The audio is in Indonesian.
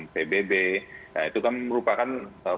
pbb itu kan merupakan